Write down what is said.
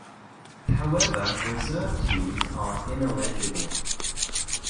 However reserve teams are ineligible.